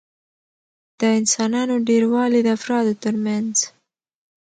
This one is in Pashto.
د انسانانو ډېروالي د افرادو ترمنځ